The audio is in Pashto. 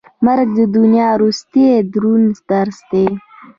مرګ د دنیا وروستی دروند درس دی.